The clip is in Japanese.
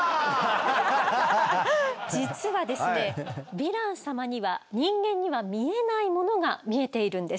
ヴィラン様には人間には見えないものが見えているんです。